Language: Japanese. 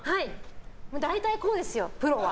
大体こうですよ、プロは。